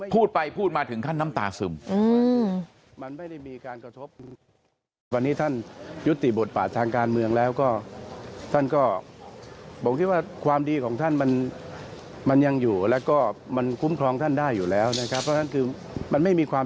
พูดไปพูดมาถึงขั้นน้ำตาซึม